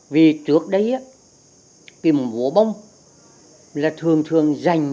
vì trước đấy khi mùa bóng là thường thường dành